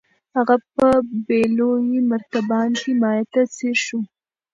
هغه په بې لوحې مرتبان کې مايع ته ځير شو.